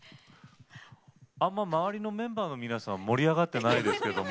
あんまり周りのメンバーの皆さん盛り上がってないですけども。